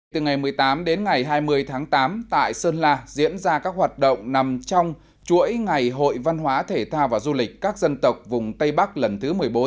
từ ngày một mươi tám đến ngày hai mươi tháng tám tại sơn la diễn ra các hoạt động nằm trong chuỗi ngày hội văn hóa thể thao và du lịch các dân tộc vùng tây bắc lần thứ một mươi bốn